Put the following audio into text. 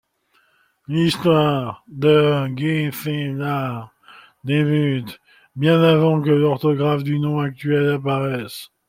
L'histoire de Guécélard débute, bien avant que l'orthographe du nom actuel apparaisse.